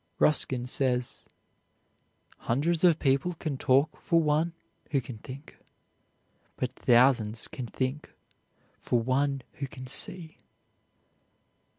Ruskin says: "Hundreds of people can talk for one who can think; but thousands can think for one who can see."